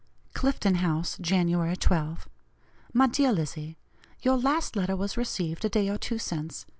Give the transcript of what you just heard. "CLIFTON HOUSE, January 12. "MY DEAR LIZZIE: Your last letter was received a day or two since.